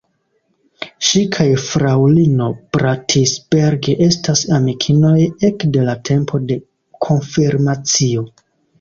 Ŝi kaj fraŭlino Bratsberg estas amikinoj ekde la tempo de konfirmacio.